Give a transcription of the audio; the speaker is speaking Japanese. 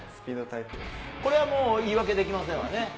これはもう、言い訳できませんわね。